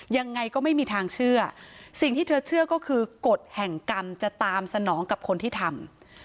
ยังไงก็ไม่มีทางเชื่อสิ่งที่เธอเชื่อก็คือกฎแห่งกรรมจะตามสนองกับคนที่ทำ